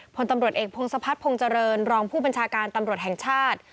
พลตำรวจเอกพงศพัฒนภงเจริญรองผู้บัญชาการตำรวจแห่งชาติ